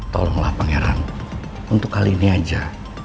tolonglah pangeran untuk kali ini aja